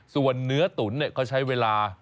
ส่วนเนื้อตุ๋นเขาใช้เวลา